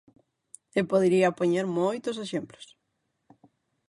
E podería poñer moitos exemplos.